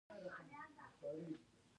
د سیند اوبه زموږ د پټیو لپاره ژوند دی.